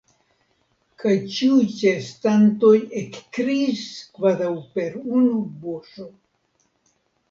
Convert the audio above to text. Kaj ĉiuj ĉeestantoj ekkriis kvazaŭ per unu buŝo.